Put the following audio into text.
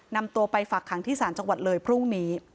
นำตัวไปฝักขังที่ศาลจังหวัดเลยพรุ่งนี้